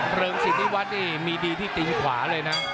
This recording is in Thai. เริงสิทธิวัฒน์นี่มีดีที่ตีนขวาเลยนะ